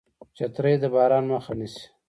چترۍ د باران مخه نیسي